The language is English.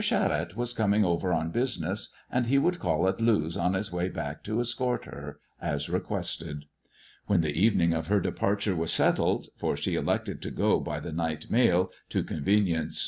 Charette was coming over on bosiness, and he would call at Lewes on his way back to escort her, as requested. When the evening of her departure was settled — ^for sb» elected to go by the night maU to convenience M.